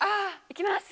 行きます。